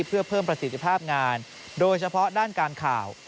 เพื่อเพิ่มประสิทธิภาพงานโดยเฉพาะด้านการข่าว